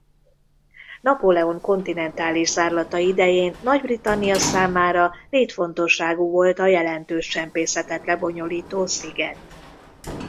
Napóleon kontinentális zárlata idején Nagy-Britannia számára létfontosságú volt a jelentős csempészetet lebonyolító sziget.